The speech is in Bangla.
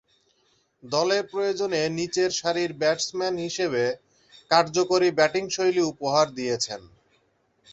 দলের প্রয়োজনে নিচেরসারির ব্যাটসম্যান হিসেবে কার্যকরী ব্যাটিংশৈলী উপহার দিয়েছেন।